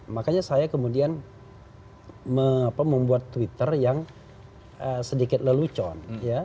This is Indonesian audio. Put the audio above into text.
makanya saya kemudian membuat twitter yang sedikit lelucon